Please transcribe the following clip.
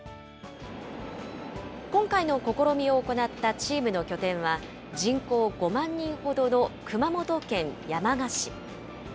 今回の試みを行ったチームの拠点は、人口５万人ほどの熊本県山鹿市。